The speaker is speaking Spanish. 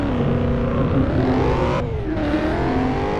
Fue torturado en una checa de Barcelona.